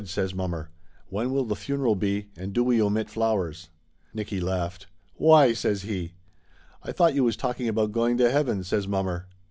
says mommer. "When will the funeral be, and do we omit flowers?" Nicky laughed. "Why ?" says he. "I thought you was talking about going to heaven," says mommer.